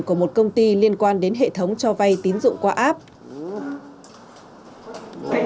của một công ty liên quan đến hệ thống cho vay tín dụng qua app